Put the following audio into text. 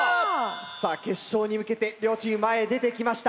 さぁ決勝に向けて両チーム前へ出てきました。